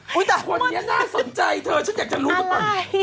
คนเนี่ยน่าสนใจเธอฉันอยากจะรู้ว่ากำลัง